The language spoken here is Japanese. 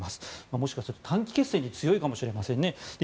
もしかしたら短期決戦に強いかもしれません。